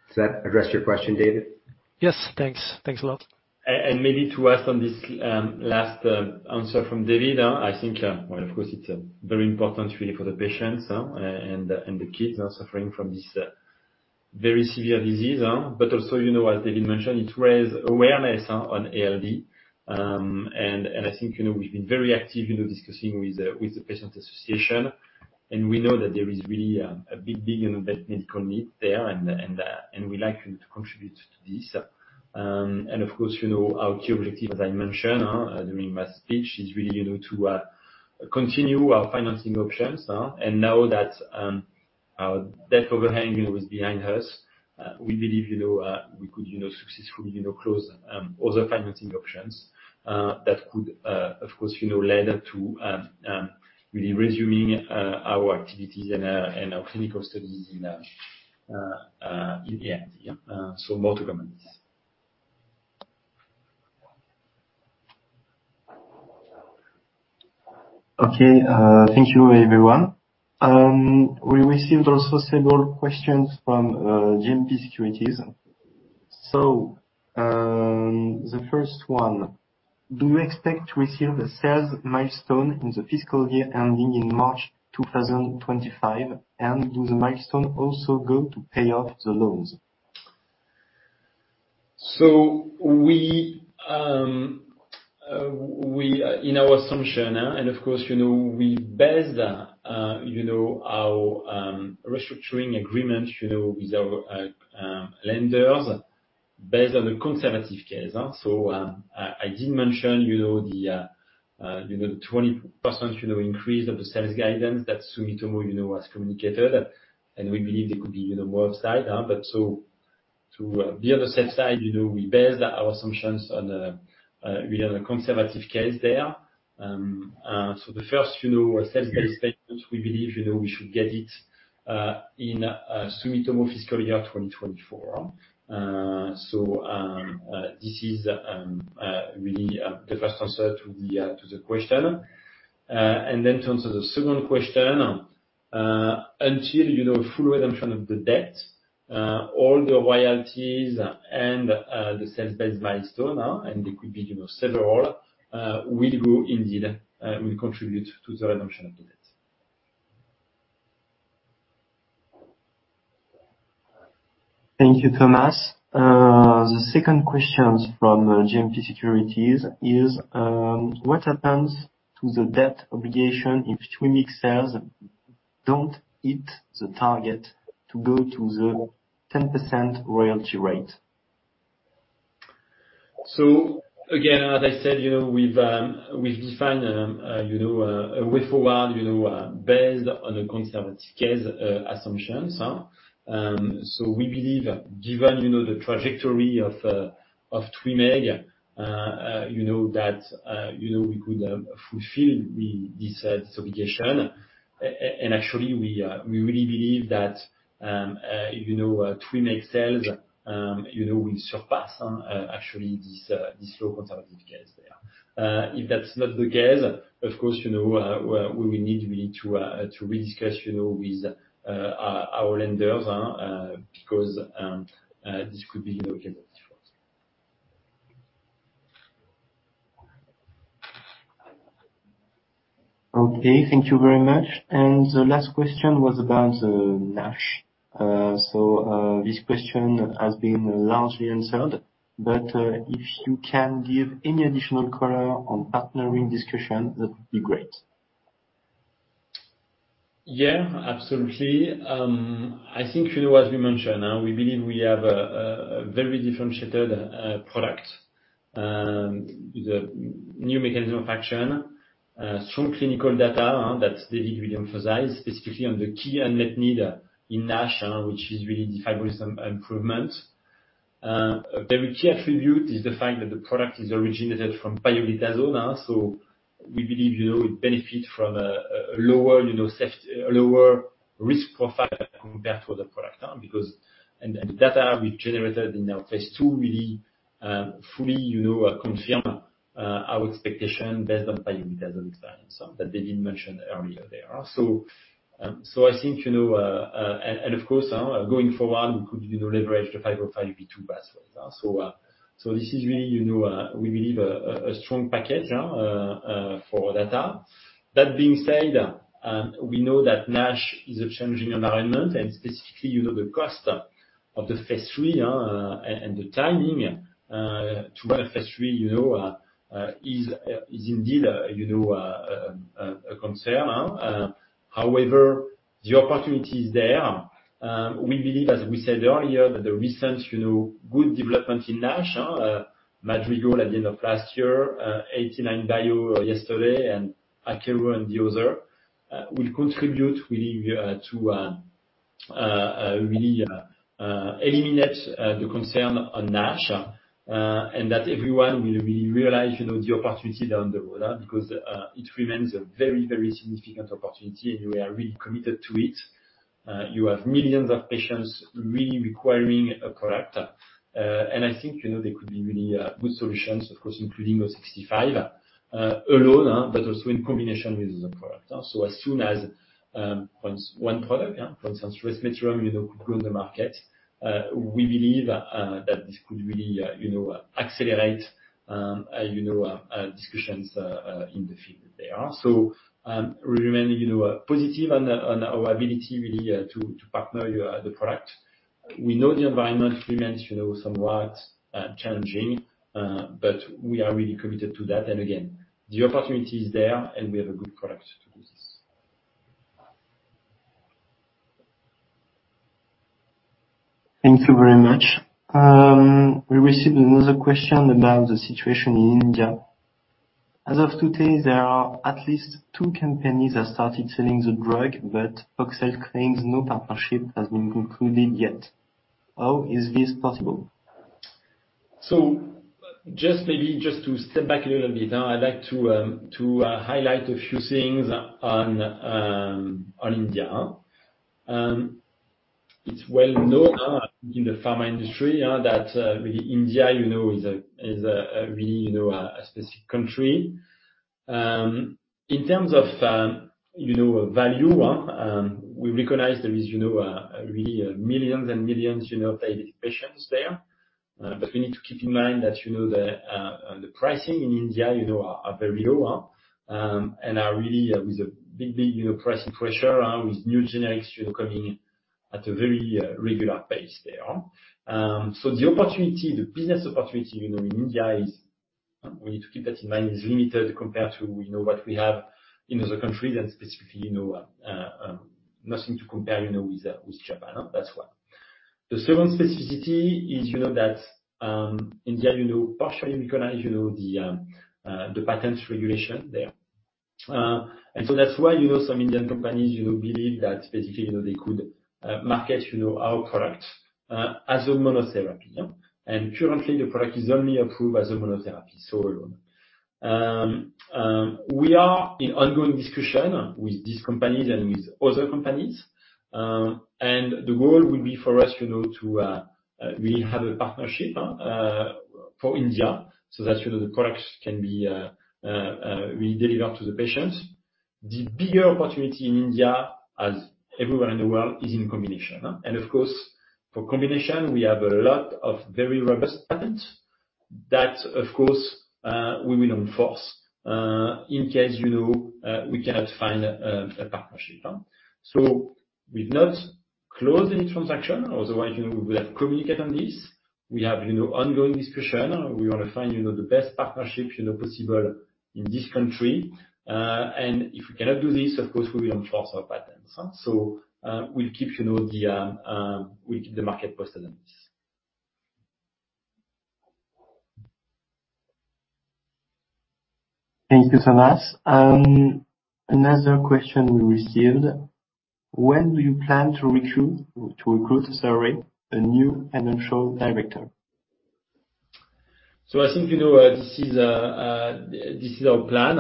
Does that address your question, David? Yes, thanks. Thanks a lot. Maybe to add on this, last answer from David, I think, well, of course, it's very important really for the patients, and the, and the kids are suffering from this, very severe disease. Also, you know, as David mentioned, it raise awareness on ALD. I think, you know, we've been very active, you know, discussing with the, with the patient association, and we know that there is really, a big, big unmet medical need there and, and we'd like to contribute to this. Of course, you know, our key objective, as I mentioned, during my speech, is really, you know, to, continue our financing options. Now that our debt overhang, you know, is behind us, we believe, you know, we could, you know, successfully, you know, close other financing options that could, of course, you know, lead to really resuming our activities and our clinical studies in the end. Yeah. More to come. Okay. Thank you, everyone. We received also several questions from GMP Securities. The first one: Do you expect to receive a sales milestone in the fiscal year ending in March 2025? Do the milestone also go to pay off the loans? We, in our assumption, and of course, you know, we base our restructuring agreement with our lenders based on the conservative case. I did mention the 20% increase of the sales guidance that Sumitomo has communicated, and we believe there could be more upside. To the other sales side, we base our assumptions on the conservative case there. The first sales-based payment, we believe we should get it in Sumitomo fiscal year 2024. This is really the first answer to the question. To answer the second question, until, you know, full redemption of the debt, all the royalties and, the sales-based milestone, and it could be, you know, several, will go indeed, will contribute to the redemption of the debt. Thank you, Thomas. The second questions from GMP Securities is: What happens to the debt obligation if TWYMEEG sales don't hit the target to go to the 10% royalty rate? Again, as I said, you know, we've defined, you know, a way forward, you know, based on the conservative case, assumptions. We believe given, you know, the trajectory of TWYMEEG, you know, that, you know, we could fulfill the, this, obligation. Actually we really believe that, you know, TWYMEEG sales, you know, will surpass, actually this low conservative case there. If that's not the case, of course, you know, we need really to rediscuss, you know, with our lenders, because, this could be, you know, a default. Okay. Thank you very much. The last question was about the NASH. This question has been largely answered, but if you can give any additional color on partnering discussion, that would be great. Yeah, absolutely. I think, you know, as we mentioned, we believe we have a very differentiated product with a new mechanism of action. Strong clinical data that David really emphasized, specifically on the key unmet need in NASH, which is really the fibrosis improvement. A very key attribute is the fact that the product is originated from pioglitazone, we believe, you know, it benefit from a lower, you know, lower risk profile compared to other product because... The data we generated in our phase 2 really fully, you know, confirm our expectation based on pioglitazone experience that David mentioned earlier there. I think, you know. Of course, going forward, we could, you know, leverage the 505(b)(2) pathway, this is really, you know, we believe a strong package for data. That being said, we know that NASH is a challenging environment, and specifically, you know, the cost of the phase three and the timing to run phase three, you know, is indeed, you know, a concern. However, the opportunity is there. We believe, as we said earlier, that the recent, you know, good development in NASH, Madrigal at the end of last year, 89bio yesterday, and Akero and the other, will contribute really to really eliminate the concern on NASH. That everyone will really realize, you know, the opportunity down the road, because it remains a very, very significant opportunity, and we are really committed to it. You have millions of patients really requiring a product. I think, you know, there could be really good solutions, of course, including PXL065, alone, but also in combination with other products. As soon as once one product, yeah, for instance, Resmetirom, you know, could grow the market, we believe that this could really, you know, accelerate, you know, discussions in the field there. Remaining, you know, positive on our ability really to partner your the product. We know the environment remains, you know, somewhat challenging, but we are really committed to that. Again, the opportunity is there, and we have a good product to do this. Thank you very much. We received another question about the situation in India. As of today, there are at least two companies that started selling the drug. Poxel claims no partnership has been concluded yet. How is this possible? Just maybe just to step back a little bit. I'd like to highlight a few things on India. It's well known in the pharma industry that really India, you know, is a really, you know, a specific country. In terms of, you know, value, we recognize there is, you know, really millions and millions, you know, patients there. We need to keep in mind that, you know, the pricing in India, you know, are very low and are really with a big, big, you know, pricing pressure with new generics, you know, coming at a very regular pace there. The opportunity, the business opportunity, you know, in India is, we need to keep that in mind, is limited compared to, you know, what we have in other countries and specifically, you know, nothing to compare, you know, with Japan. That's one. The second specificity is, you know, that India, you know, partially recognize, you know, the patents regulation there. That's why, you know, some Indian companies, you know, believe that specifically, you know, they could market, you know, our product as a monotherapy. Currently, the product is only approved as a monotherapy. We are in ongoing discussion with these companies and with other companies. The goal would be for us, you know, to really have a partnership for India, so that, you know, the products can be really delivered out to the patients. The bigger opportunity in India, as everywhere in the world, is in combination. Of course, for combination, we have a lot of very robust patents that of course, we will enforce in case, you know, we cannot find a partnership. We've not closed any transaction. Otherwise, you know, we would have communicated on this. We have, you know, ongoing discussion. We want to find, you know, the best partnership, you know, possible in this country. If we cannot do this, of course, we will enforce our patents. We'll keep you know the market posted on this. Thank you, Thomas. Another question we received. When do you plan to recruit, sorry, a new financial director? I think, you know, this is our plan.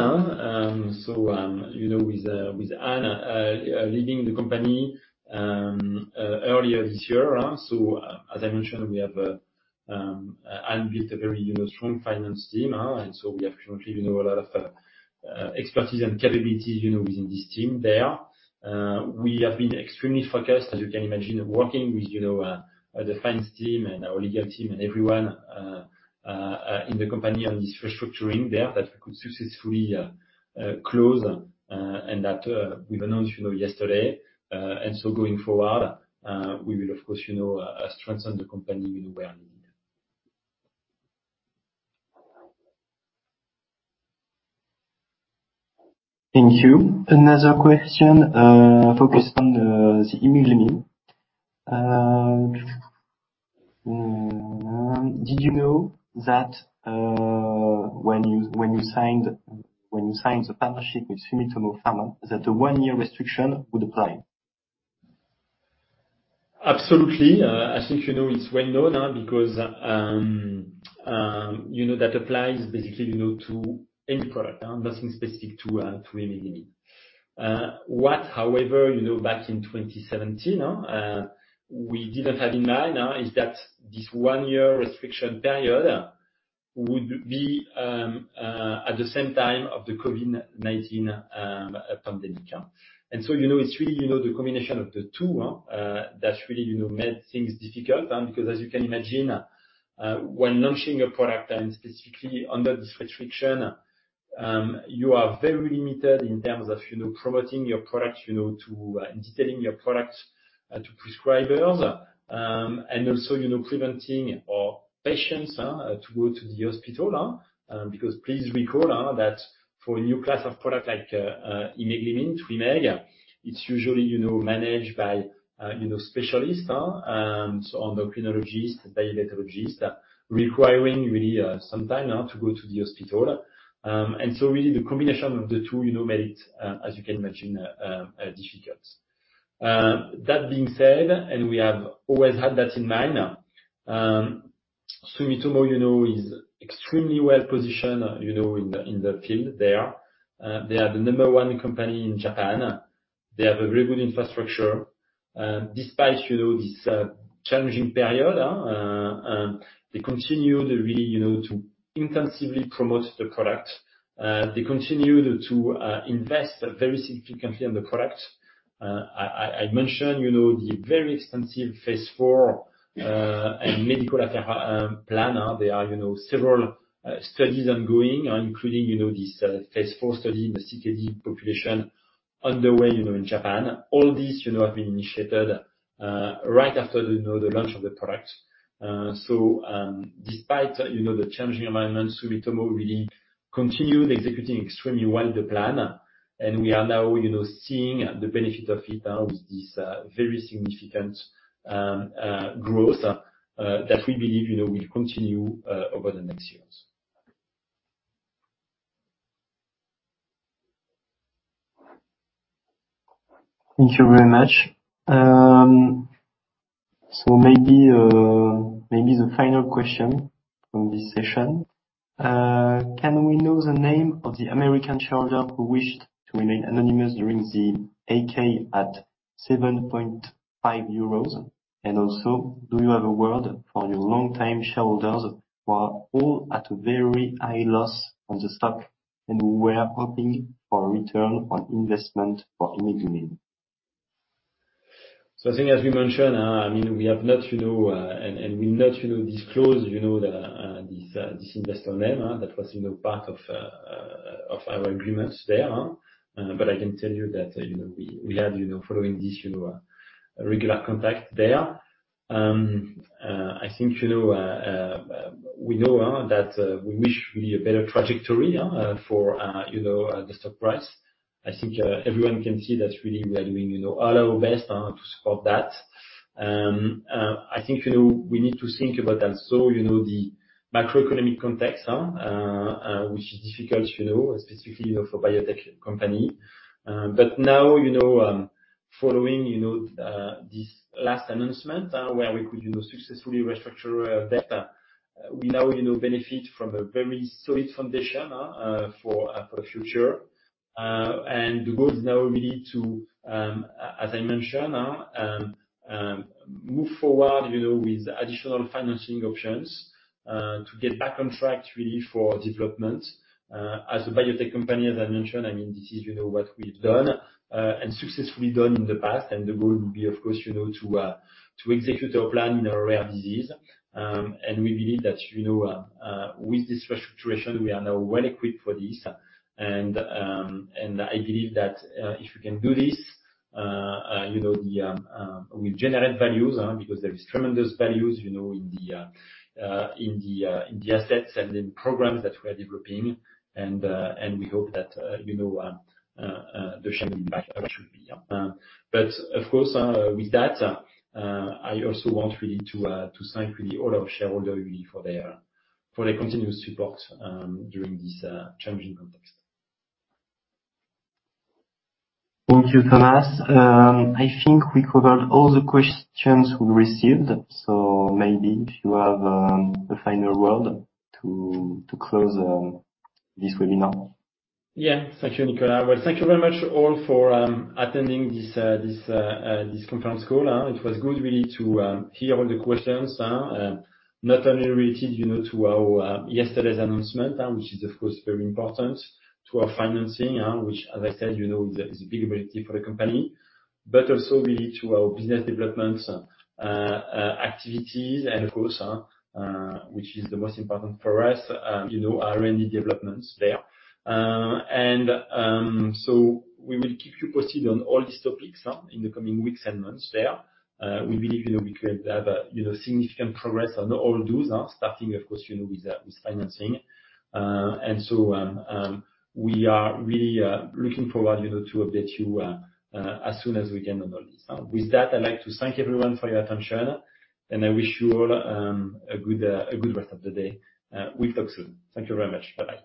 You know, with Anne leaving the company earlier this year, as I mentioned, we have Anne built a very, you know, strong finance team. We have currently, you know, a lot of expertise and capabilities, you know, within this team there. We have been extremely focused, as you can imagine, working with, you know, the finance team and our legal team and everyone in the company on this restructuring there that we could successfully close and that we've announced, you know, yesterday. Going forward, we will of course, you know, strengthen the company, you know, where needed. Thank you. Another question, focused on the imeglimin. Did you know that, when you signed the partnership with Sumitomo Pharma, that a 1-year restriction would apply? Absolutely. I think you know it's well known, because, you know, that applies basically, you know, to any product, nothing specific to imeglimin. What, however, you know, back in 2017, we didn't have in mind, is that this one-year restriction period would be at the same time of the COVID-19 pandemic. You know, it's really, you know, the combination of the two, that really, you know, made things difficult. Because as you can imagine, when launching a product, and specifically under this restriction, you are very limited in terms of, you know, promoting your product, you know, to and detailing your product to prescribers. Also, you know, preventing our patients to go to the hospital. Because please recall that for a new class of product like imeglimin, TWYMEEG, it's usually, you know, managed by, you know, specialists, and so endocrinologists, diabetologists, requiring really some time to go to the hospital. Really the combination of the two, you know, made it, as you can imagine, difficult. That being said, we have always had that in mind, Sumitomo, you know, is extremely well-positioned, you know, in the field there. They are the number one company in Japan. They have a very good infrastructure. Despite, you know, this challenging period, they continue to really, you know, to intensively promote the product. They continue to invest very significantly in the product. I mentioned, you know, the very extensive phase 4 and medical affair plan. There are, you know, several studies ongoing, including, you know, this phase 4 study in the CKD population underway, you know, in Japan. All these, you know, have been initiated right after, you know, the launch of the product. Despite, you know, the challenging environment, Sumitomo really continued executing extremely well the plan. We are now, you know, seeing the benefit of it now with this very significant growth that we believe, you know, will continue over the next years. Thank you very much. Maybe the final question from this session. Can we know the name of the American shareholder who wished to remain anonymous during the AK at 7.5 euros? Do you have a word for your longtime shareholders who are all at a very high loss on the stock, and who were hoping for a return on investment for imeglimin? I think as we mentioned, I mean, we have not, you know, and we'll not, you know, disclose, you know, the this investor name. That was, you know, part of our agreements there. I can tell you that, you know, we had, you know, following this, you know, regular contact there. I think, you know, we know that we wish really a better trajectory for, you know, the stock price. I think everyone can see that really we are doing, you know, all our best to support that. I think, you know, we need to think about also, you know, the macroeconomic context, which is difficult, you know, specifically, you know, for biotech company. Now, you know, following, you know, this last announcement, where we could, you know, successfully restructure our debt. We now, you know, benefit from a very solid foundation for the future. The goal is now really to, as I mentioned, move forward, you know, with additional financing options to get back on track really for development. As a biotech company, as I mentioned, I mean, this is, you know, what we've done and successfully done in the past. The goal will be, of course, you know, to execute our plan in a rare disease. We believe that, you know, with this fresh situation, we are now well equipped for this. I believe that if we can do this, you know, we generate values because there is tremendous values, you know, in the assets and in programs that we are developing. We hope that, you know, there should be impact actually. Of course, with that, I also want really to thank really all our shareholder really for their continuous support during this challenging context. Thank you, Thomas. I think we covered all the questions we received. maybe if you have, a final word to close this webinar. Yeah. Thank you, Nicolas. Well, thank you very much all for attending this conference call. It was good really to hear all the questions, not only related, you know, to our yesterday's announcement, which is of course very important to our financing, which as I said, you know, is a big priority for the company. Also really to our business development activities and of course, which is the most important for us, you know, R&D developments there. We will keep you posted on all these topics in the coming weeks and months there. We believe, you know, we could have a, you know, significant progress on all those, starting of course, you know, with financing. We are really, you know, looking forward to update you as soon as we can on all this. With that, I'd like to thank everyone for your attention, and I wish you all a good rest of the day. We'll talk soon. Thank you very much. Bye-bye.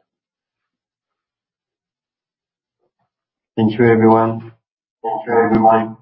Thank you, everyone. Thank you, everyone.